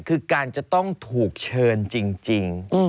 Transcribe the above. คือการจะต้องถูกเชิญจริง